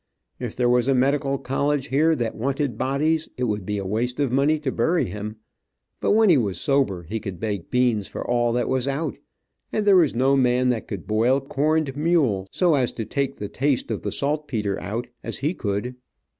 If there was a medical college here that wanted bodies, it would be a waste of money to bury him. But when he was sober he could bake beans for all that was out, and there was no man that could boil corned mule so as to take the taste of the saltpetre out, as he could."